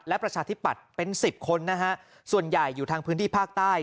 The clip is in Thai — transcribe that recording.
และประชาธิปัตย์เป็นสิบคนนะฮะส่วนใหญ่อยู่ทางพื้นที่ภาคใต้